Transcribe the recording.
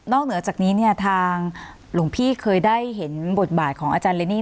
เหนือจากนี้เนี่ยทางหลวงพี่เคยได้เห็นบทบาทของอาจารย์เรนนี่